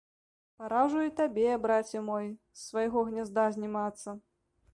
Пара ўжо і табе, браце мой, з свайго гнязда знімацца!